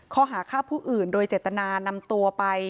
ข้อหาฆ่าผู้อื่นโดยเจตนานำตัวไป